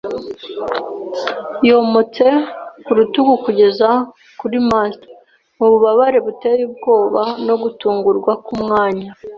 yometse ku rutugu kugeza kuri mast. Mububabare buteye ubwoba no gutungurwa kumwanya